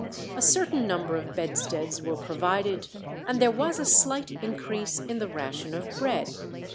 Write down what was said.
A certain number of bedsteads were provided, and there was a slight increase in the ration of bread.